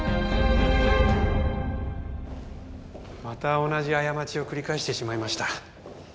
また同じ過ちを繰り返してしまいました。